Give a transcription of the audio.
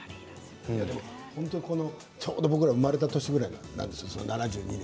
ちょうど僕が生まれた年ぐらいですと１９７２年。